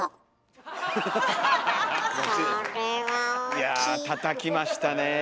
いやたたきましたね。